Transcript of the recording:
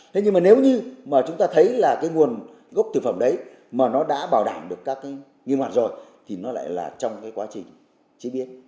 thế nhưng mà nếu như chúng ta thấy là nguồn gốc thực phẩm đấy mà nó đã bảo đảm được các nghiên hoạt rồi thì nó lại là trong quá trình chế biến